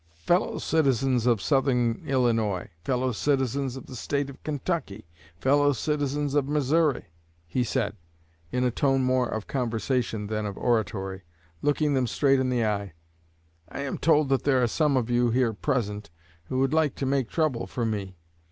"Fellow citizens of Southern Illinois fellow citizens of the State of Kentucky fellow citizens of Missouri," he said, in a tone more of conversation than of oratory, looking them straight in the eye, "I am told that there are some of you here present who would like to make trouble for me.